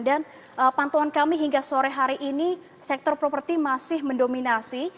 dan pantauan kami hingga sore hari ini sektor properti masih mendominasi